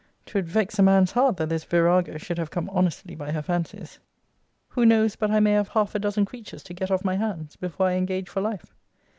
'Twould vex a man's heart, that this virago should have come honestly by her fancies. Who knows but I may have half a dozen creatures to get off my hands, before I engage for life?